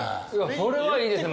それはいいですね